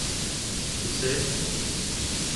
Tu sais…